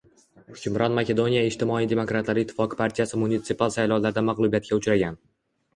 Hukmron Makedoniya ijtimoiy-demokratlar ittifoqi partiyasi munitsipal saylovlarda mag‘lubiyatga uchragan